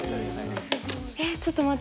えっちょっと待って。